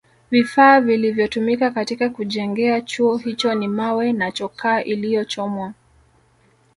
Vifaa vilivyotumika katika kujengea Chuo hicho ni mawe na chokaa iliyochomwa